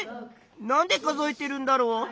なんで数えてるんだろう？